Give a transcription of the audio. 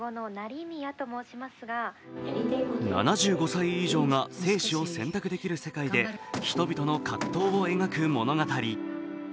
７５歳以上が生死を選択できる世界で人々の葛藤を描く物語。